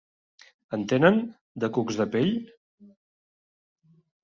En tenen, de cucs de pell?